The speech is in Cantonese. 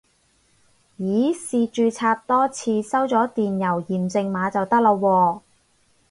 咦試註冊多次收咗電郵驗證碼就得喇喎